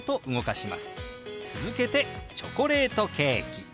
続けて「チョコレートケーキ」。